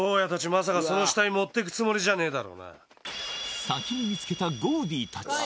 まさかその死体持ってくつもりじゃねえだろうな